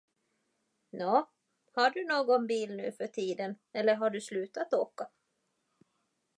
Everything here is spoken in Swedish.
Nå, har du någon bil nuförtiden eller har du slutat åka?